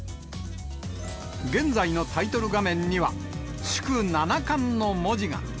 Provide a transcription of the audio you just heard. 現在のタイトル画面には、祝七冠の文字が。